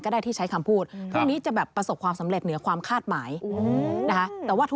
ก็คือชาวราศรีกรกฏ